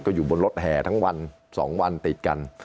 อยู่บนรถแห่ทั้งวัน๒วันติดกัน